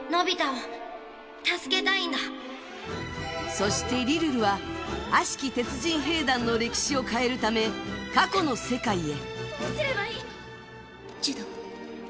そしてリルルは悪しき鉄人兵団の歴史を変えるため過去の世界へ。